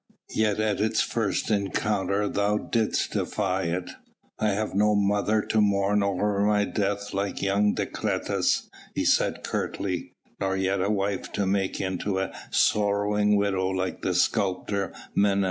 "Yet at its first encounter thou didst defy it." "I have no mother to mourn o'er my death like young Decretas," he said curtly, "nor yet a wife to make into a sorrowing widow like the sculptor Menas."